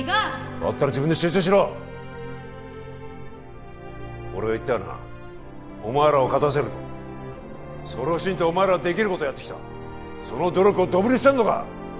だったら自分に集中しろ俺は言ったよなお前らを勝たせるとそれを信じてお前らはできることをやってきたその努力をドブに捨てんのか？